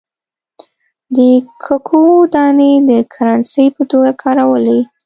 د ککو دانې د کرنسۍ په توګه کارولې.